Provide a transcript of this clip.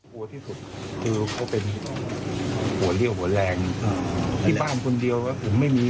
กลัวที่สุดคือเขาเป็นหัวเรี่ยวหัวแรงที่บ้านคนเดียวแล้วผมไม่มี